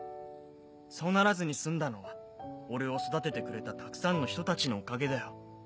そうならずに済んだのは俺を育ててくれたたくさんの人たちのおかげだよ。